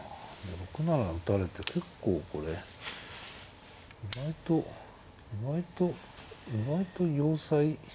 ６七打たれて結構これ意外と意外と意外と要塞。